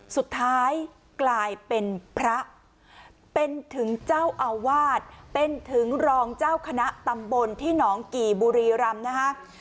สุดท้ายกลายเป็นพระเป็นถึงเจ้าอาวาสเป็นถึงรองเจ้าคณะตำบลที่หนองกี่บุรีรำนะคะ